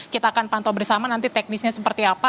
kita akan pantau bersama nanti teknisnya seperti apa